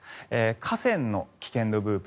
河川の危険度分布